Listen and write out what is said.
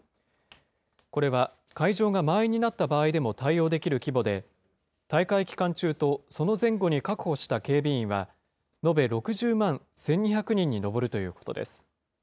これは会場が満員になった場合でも対応できる規模で、大会期間中とその前後に確保した警備員は延べ６０万１２００人に上るということです。